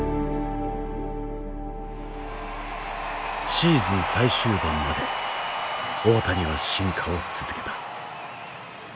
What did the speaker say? シーズン最終盤まで大谷は進化を続けた。